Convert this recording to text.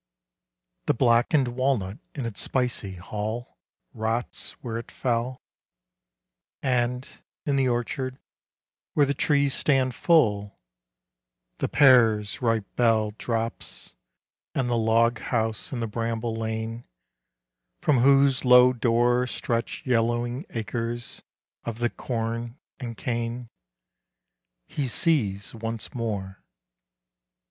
The blackened walnut in its spicy hull Rots where it fell; And, in the orchard, where the trees stand full, The pear's ripe bell Drops; and the log house in the bramble lane, From whose low door Stretch yellowing acres of the corn and cane, He sees once more.